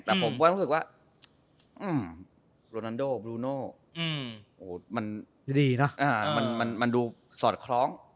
แต่ผมก็รู้สึกว่าโรนันโดบรูโนมันดูสอดคล้อง